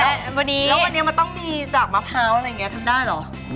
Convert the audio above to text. แล้ววันนี้มันต้องมีจากมะพร้าวอะไรอย่างนี้ทำได้เหรอ